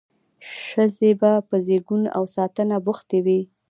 ښځې به په زیږون او ساتنه بوختې وې.